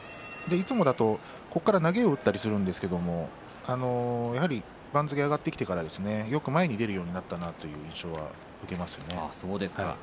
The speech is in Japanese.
いつもだとここから投げを打ったりするんですけど番付が上がってからよく前に出るようになったなという印象を受けますね。